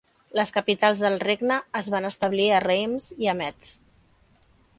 Les capitals del regne es van establir a Reims i a Metz.